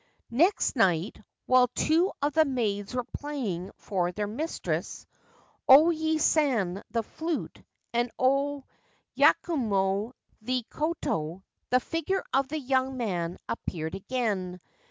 Next night, while two of the maids were playing for their mistress — O Yae San the flute, and O Yakumo the koto — the figure of the young man appeared again.